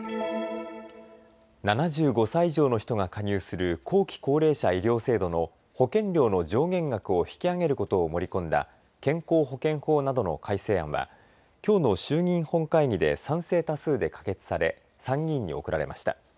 ７５歳以上の人が加入する後期高齢者医療制度の保険料の上限額を引き上げることを盛り込んだ健康保険法などの改正案はきょうの衆議院本会議で賛成多数で可決され参議院に送られました。